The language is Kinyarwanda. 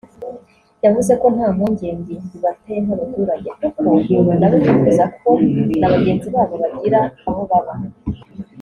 yavuzeko nta mpungenge bibateye nk’abaturage kuko nabo bifuza ko na bagenzi babo bagira aho baba